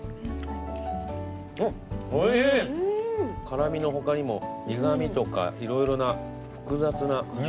辛味の他にも苦味とかいろいろな複雑な。